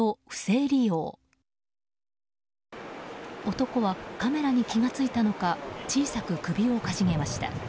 男はカメラに気が付いたのか小さく首をかしげました。